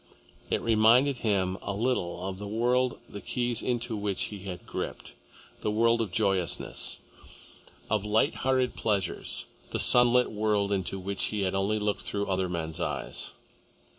It reminded him a little of the world the keys into which he had gripped the world of joyousness, of light hearted pleasures, the sunlit world into which he had only looked through other men's eyes.